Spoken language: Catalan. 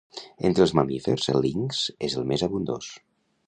Entre els mamífers el linx és el més abundós.